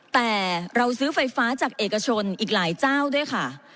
แต่เราซื้อไฟฟ้าจากเอกชนอีกหลายเจ้าด้วยค่ะ